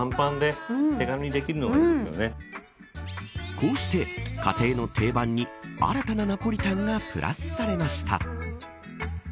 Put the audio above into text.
こうして家庭のテイバンに新たなナポリタンがプラスされました。